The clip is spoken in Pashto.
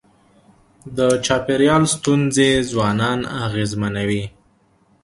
د چاپېریال ستونزې ځوانان اغېزمنوي.